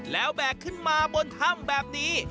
แล้วแบกขึ้นมาบนถ้ำแบบนี้